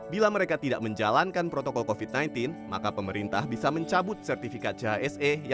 bila mereka tidak menjalankan protokol covid sembilan belas maka pemerintah bisa mencabut sertifikat chse